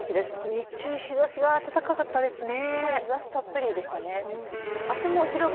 日中、日差しが暖かかったですね。